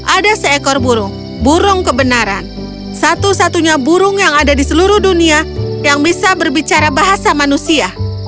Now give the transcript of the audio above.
ada seekor burung burung kebenaran satu satunya burung yang ada di seluruh dunia yang bisa berbicara bahasa manusia